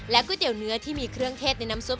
ก๋วยเตี๋ยวเนื้อที่มีเครื่องเทศในน้ำซุป